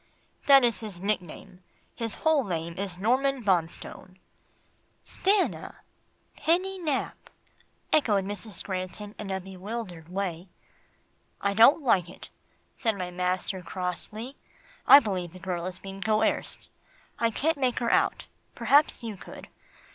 "That is his nickname, his whole name is Norman Bonstone." "Stanna Penny Nap," echoed Mrs. Granton in a bewildered way. "I don't like it," said my master crossly. "I believe the girl is being coerced. I can't make her out; perhaps you could.